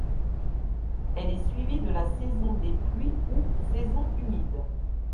Elle est suivie de la saison des pluies ou saison humide.